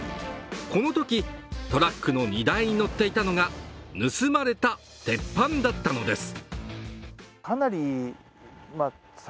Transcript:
このとき、トラックの荷台に載っていたのが盗まれた鉄板だったのです。